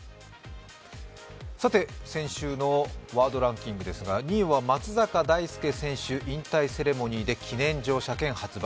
先週のワードランキングですが２位は松坂大輔選手、引退セレモニーで記念乗車券発売。